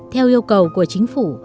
theo yêu cầu của chính phủ